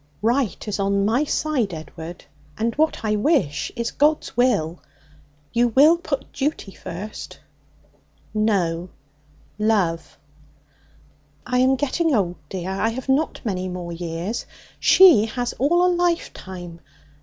'Right is on my side, Edward, and what I wish is God's will. You will put duty first?' 'No. Love.' 'I am getting old, dear. I have not many more years. She has all a lifetime.